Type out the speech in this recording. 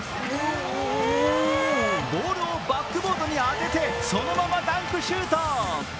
ボールをバックボードに当ててそのままダンクシュート。